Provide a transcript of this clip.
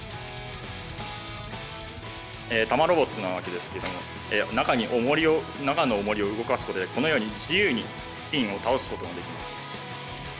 ・玉ロボットなわけですけれども中のおもりを動かすことでこのように自由にピンを倒すこともできます。